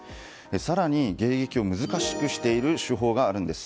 更に迎撃を難しくしている手法があるんです。